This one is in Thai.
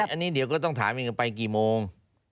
อันนี้เดี๋ยวก็ต้องถามอีกกันไปกี่โมง